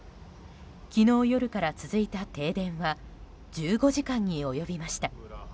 昨日夜から続いた停電は１５時間に及びました。